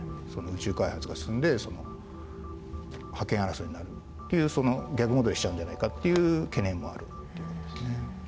宇宙開発が進んで覇権争いになるっていう逆戻りしちゃうんじゃないかっていう懸念もあるという事ですね。